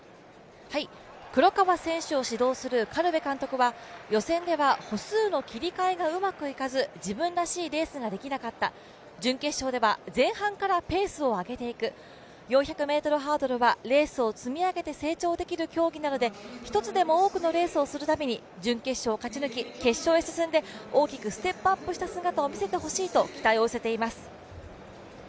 黒川選手を指導する苅部監督は予選では歩数の切り替えがうまくいかず、自分らしいレースができなかった準決勝では前半からペースを上げていく、４００ｍハードルはレースを積み上げて成長できる競技なので、一つでも多くのレースをするために準決勝を勝ち抜き決勝へ進んで大きくステップアップした姿を見せてほしいと期待を寄せています。